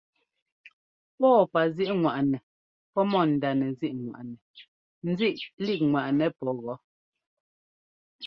Pɔ́ɔpazíꞌŋwaꞌnɛ pɔ́ mɔ ndánɛzíꞌŋwaꞌnɛ nzíꞌlíkŋwaꞌnɛ pɔ́ gɔ́.